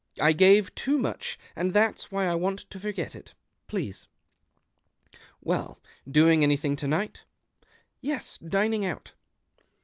"I gave too much, and that's why I want to forget it, please." "Well, doing anything to night? "" Yes, dining out."